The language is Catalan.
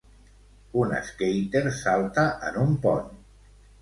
Un skater salta en un pont.